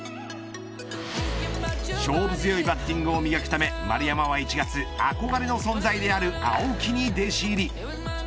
勝負強いバッティングを磨くため丸山は１月憧れの存在である青木に弟子入り。